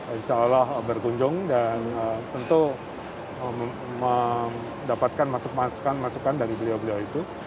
insya allah berkunjung dan tentu mendapatkan masukan masukan masukan dari beliau beliau itu